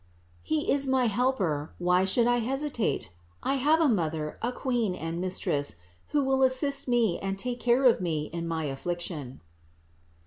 He is my Helper, why should I hesitate? I have a Mother, a Queen and Mistress, who will assist me and take care of me in my affliction."